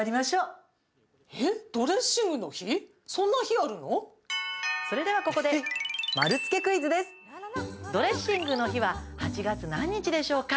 だったらそれでは、ここでドレッシングの日は８月何日でしょうか？